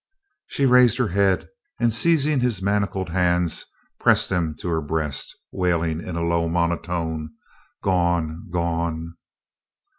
She raised her head, and seizing his manacled hands pressed them to her breast, wailing in a low monotone, "Gone! gone!"